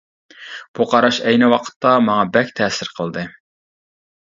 بۇ قاراش ئەينى ۋاقىتتا ماڭا بەك تەسىر قىلدى.